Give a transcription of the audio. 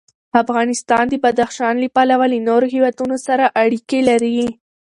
افغانستان د بدخشان له پلوه له نورو هېوادونو سره اړیکې لري.